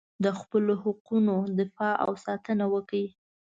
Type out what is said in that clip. د خپلو حقونو دفاع او ساتنه وکړئ.